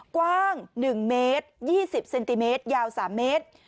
กว้าง๑เมตร๒๐เซนติเมตรยาว๓เมตร